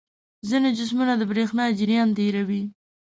ځینې جسمونه د برېښنا جریان تیروي.